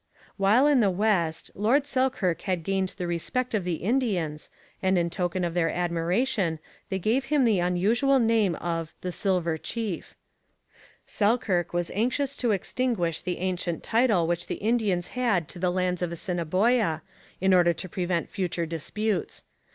While in the west Lord Selkirk had gained the respect of the Indians, and in token of their admiration they gave him the unusual name of the 'Silver Chief,' Selkirk was anxious to extinguish the ancient title which the Indians had to the lands of Assiniboia, in order to prevent future disputes.